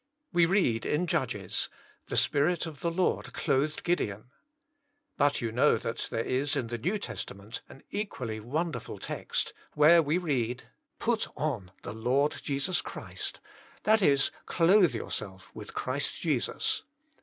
We read in Judges, << The Spirit of the Lord clothed Gideon. " But you know that there is in the New Testa ment an equally wonderful text, where we read, «*Put on the Lord Jesus Christ," that is, clothe yourself with Christ Jesus.